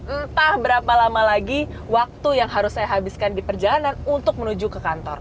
entah berapa lama lagi waktu yang harus saya habiskan di perjalanan untuk menuju ke kantor